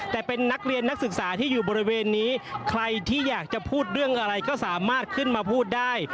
แต่เป็นนักเรียนนักศึกษาที่อยู่บริเวณนี้ใครที่อยากจะพูดเรื่องอะไรก็สามารถขึ้นมาพูดได้